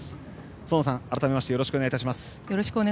園田さん、改めましてよろしくお願いいたします。